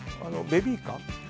ベビーカー